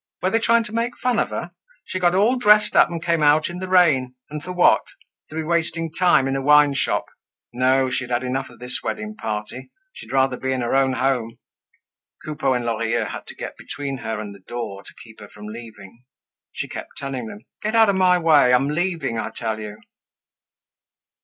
Were they trying to make fun of her? She got all dressed up and came out in the rain. And for what? To be wasting time in a wineshop. No, she had had enough of this wedding party. She'd rather be in her own home. Coupeau and Lorilleux had to get between her and the door to keep her from leaving. She kept telling them, "Get out of my way! I am leaving, I tell you!"